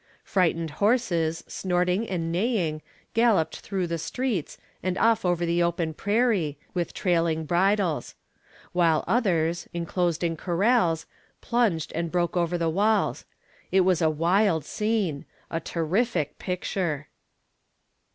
Frightened horses, snorting and neighing, galloped through the streets, and off over the open prairie, with trailing bridles; while others, inclosed in corrals, plunged and broke over the walls. It was a wild scene a terrific picture!